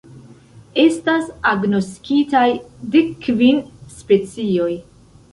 Estas agnoskitaj dekkvin specioj.